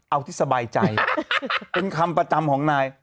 เอาที่สบายใจเป็นคำประจำของนาย